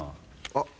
あっ。